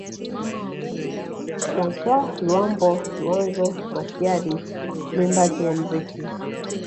Francois Luambo Luanzo Makiadi mwimbaji wa mziki